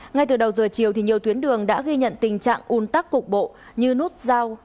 ngay từ đầu giờ chiều nhiều tuyến đường đã ghi nhận tình trạng un tắc cục bộ như nút giao